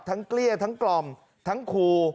เกลี้ยทั้งกล่อมทั้งครู